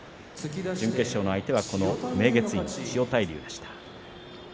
準決勝の相手がこの千代大龍でした。